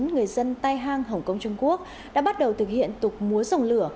người dân tai hang hồng kông trung quốc đã bắt đầu thực hiện tục múa dòng lửa